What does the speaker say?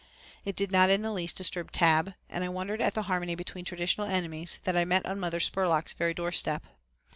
It did not in the least disturb Tab, and I wondered at the harmony between traditional enemies that I met on Mother Spurlock's very doorstep.